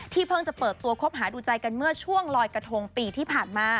เพิ่งจะเปิดตัวคบหาดูใจกันเมื่อช่วงลอยกระทงปีที่ผ่านมา